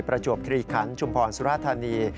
ประจวบคลีคันชุมพรสุราธานี